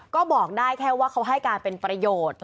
ก็บอกได้แค่ว่าเขาให้การเป็นประโยชน์